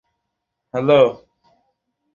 নড়তে পারছিস না, হাহ?